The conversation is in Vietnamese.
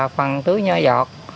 phần tưới nhỏ giọt